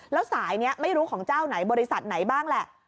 แล้วสายนี้ไม่รู้ของเจ้าไหนบริษัทไหนบ้างแหละ